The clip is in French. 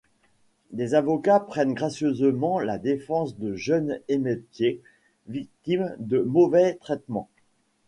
Des avocats prennent gracieusement la défense de jeunes émeutiers victimes de mauvais traitements.